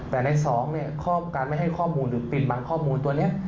แต่ในสองเนี่ยการไม่ให้ข้อมูลหรือปิดบังข้อมูลตัวนี้